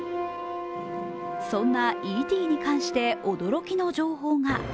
そんな「Ｅ．Ｔ．」に関して、驚きの情報が。